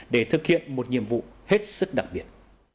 để thực hiện một nhiệm vụ hết sức đặc biệt